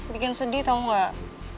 bikin sedih tau gak